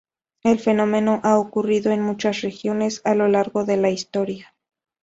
El fenómeno ha ocurrido en muchas regiones a lo largo de la historia.